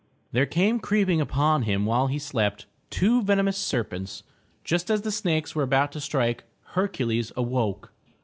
There came creeping upon him while he slept, two venemous serpents. Just as the snakes were about to strike, Hercules awoke.